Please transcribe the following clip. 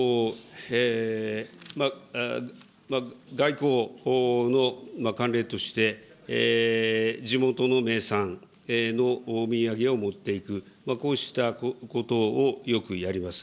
外交の慣例として、地元の名産のお土産を持っていく、こうしたことをよくやります。